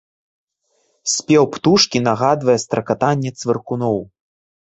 Спеў птушкі нагадвае стракатанне цвыркуноў.